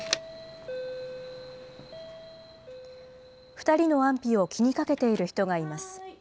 ２人の安否を気にかけている人がいます。